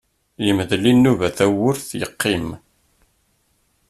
Yemdel Inuba tawwurt yeqqim.